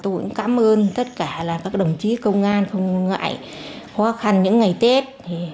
tôi cũng cảm ơn tất cả là các đồng chí công an không ngại khó khăn những ngày tết